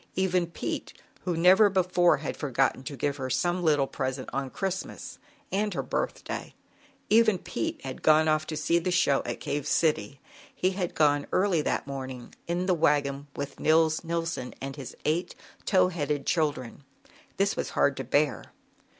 Even Pete, who never before had forgotten to give her some little present on Christmas and her birthday, even Pete had gone off to see the show at Cave City, he had gone early that morning, in the wagon with Nils Nilson and his eight tow headed children. This was hard to bear.